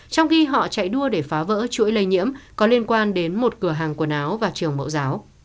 trong khi họ chạy đua để phá vỡ chuỗi lây nhiễm có liên quan đến một cửa hàng quần áo và trường mẫu giáo